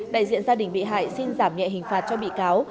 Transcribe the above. đại diện gia đình bị hại xin giảm nhẹ hình phạt cho bị cáo